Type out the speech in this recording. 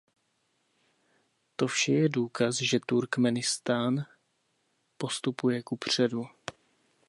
To vše je důkazem, že Turkmenistán postupuje kupředu.